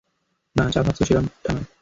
না, যা ভাবছ সেরকমটা নয়!